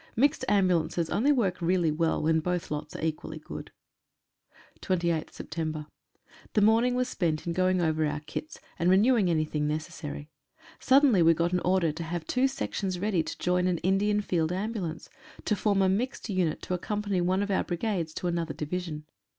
Mixed ambu lances only work really well when both lots are equally good. 28th Sept.— The morning was spent in going over our kits, and renewing anything necessary. Suddenly we got an order to have two sections ready to join an Indian, Field Ambulance, to form a mixed unit to accompany one of our Brigades to another Division.